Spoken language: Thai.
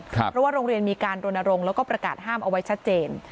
เพราะว่าโรงเรียนมีการรณรงค์แล้วก็ประกาศห้ามเอาไว้ชัดเจน